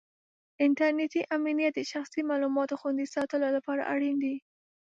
انټرنېټي امنیت د شخصي معلوماتو خوندي ساتلو لپاره اړین دی.